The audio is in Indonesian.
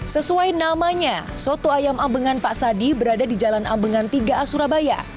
sesuai namanya soto ayam ambengan pak sadi berada di jalan ambengan tiga a surabaya